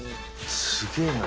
すげえな。